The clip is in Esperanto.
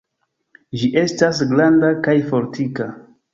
Ĝi estas granda kaj fortika.